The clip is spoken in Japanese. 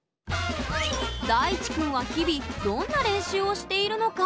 大智くんは日々どんな練習をしているのか？